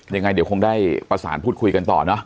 ยังไงเดี๋ยวคงได้ประสานพูดคุยกันต่อเนอะ